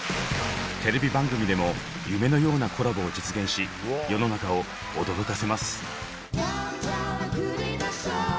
テレビ番組でも夢のようなコラボを実現し世の中を驚かせます。